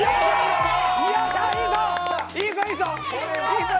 いいぞいいぞ。